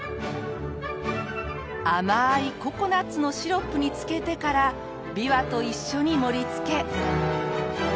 甘いココナッツのシロップに漬けてからビワと一緒に盛りつけ。